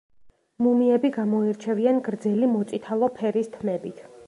მუმიები გამოირჩევიან გრძელი მოწითალო ფერის თმებით.